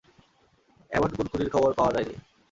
এমন কোন খুনের খবর পাওয়া যায়নি।